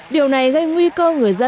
điều này gây nguy cơ người dân